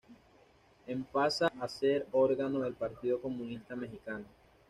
En pasa a ser órgano del Partido Comunista Mexicano.